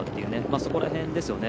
そこら辺ですよね。